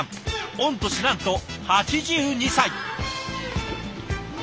御年なんと８２歳。